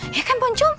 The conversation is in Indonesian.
iya kan poncum